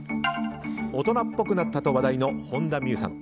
大人っぽくなったと話題の本田望結さん